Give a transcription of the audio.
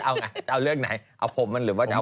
ให้เอาไงเอาเลือกไหนเอาผมมันหรือว่าฝนตก